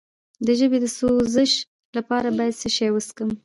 د ژبې د سوزش لپاره باید څه شی وڅښم؟